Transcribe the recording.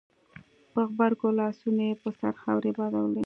په غبرګو لاسونو يې پر سر خاورې بادولې.